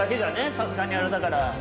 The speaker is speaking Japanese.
さすがにあれだから。